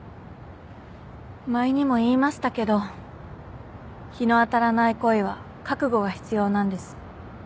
前にも言いましたけど日の当たらない恋は覚悟が必要なんです。